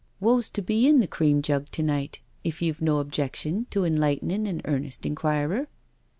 " W'o*s to be in the cream jug to night, if you've no objection to enlight' nin' an earnest inquirer?"